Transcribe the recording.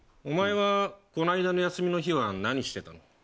お前はこの間の休みの日は何してたの？